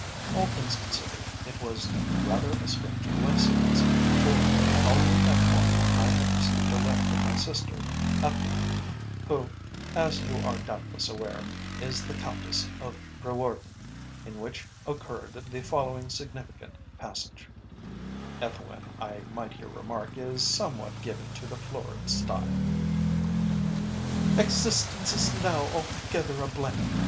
All things considered, it was rather a strange coincidence, for, only that morning, I had received a letter from my sister Ethelwyn, who, as you are doubtless aware, is the Countess of Brewarden, in which occurred the following significant passage (Ethelwyn, I might here remark, is somewhat given to the florid style): "Existence is now altogether a blank!